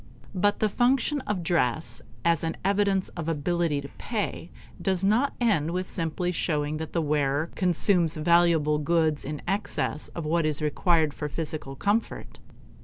But the function of dress as an evidence of ability to pay does not end with simply showing that the wearer consumes valuable goods in excess of what is required for physical comfort.